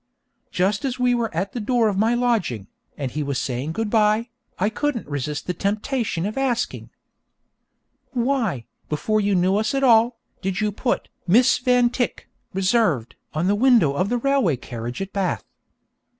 Just as we were at the door of my lodging, and he was saying good bye, I couldn't resist the temptation of asking: 'Why, before you knew us at all, did you put "Miss Van Tyck: Reserved," on the window of the railway carriage at Bath?'